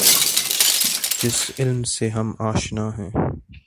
جس علم سے ہم آشنا ہیں۔